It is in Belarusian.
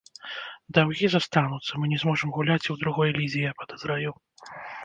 Даўгі застануцца, мы не зможам гуляць і ў другой лізе, я падазраю.